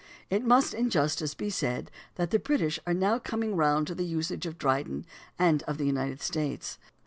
It must in justice be said that the British are now coming round to the usage of Dryden and of the United States.